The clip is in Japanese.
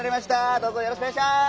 どうぞよろしくおねがいします！